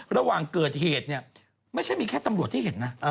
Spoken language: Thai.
ระหว่างเกิดเหตุเนี่ยไม่ใช่มีแค่ตำรวจที่เห็นนะ